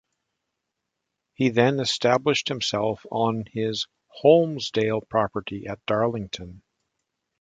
He then established himself on his "Holmesdale" property at Darlington.